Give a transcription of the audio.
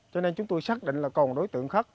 cho nên chúng tôi xác định là còn đối tượng khác